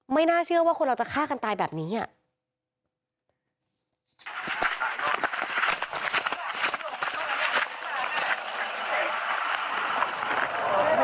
น่าเชื่อว่าคนเราจะฆ่ากันตายแบบนี้อ่ะ